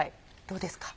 どうですか？